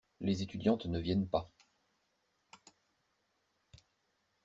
Les étudiantes ne viennent pas.